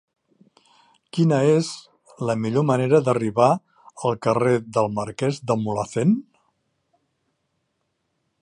Quina és la millor manera d'arribar al carrer del Marquès de Mulhacén?